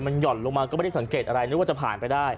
ใส่ไฟลับลงมาก็ไม่ได้สังเกตอะไรนึกว่าคาลึกจะผ่านไปได้